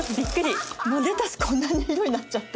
レタスこんな色になっちゃった。